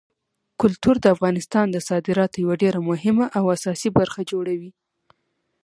کلتور د افغانستان د صادراتو یوه ډېره مهمه او اساسي برخه جوړوي.